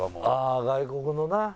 あ外国のな。